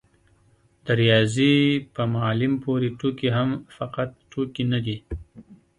د رياضي په معلم پورې ټوکې هم فقط ټوکې نه دي.